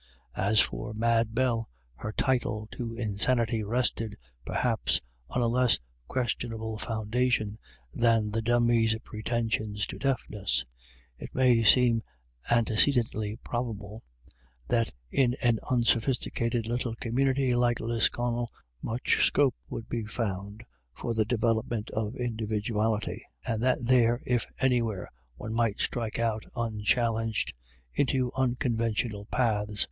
As for Mad Bell, her title to insanity rested, perhaps, on a less questionable foundation than the Dummy's pretensions to deafness. It may seem antecedently probable that in an unsophisti cated little community like Lisconnel much scope would be found for the development of indivi duality, and that there, if anywhere, one might strike out unchallenged into unconventional paths.